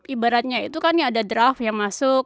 ibaratnya itu kan ada draft yang masuk